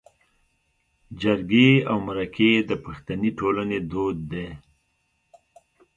جرګې او مرکې د پښتني ټولنې دود دی